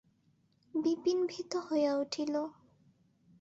বিপিন ভীত হইয়া উঠিল।